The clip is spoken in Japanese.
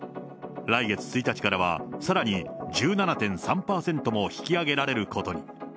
来月１日からは、さらに１７．３％も引き上げられることに。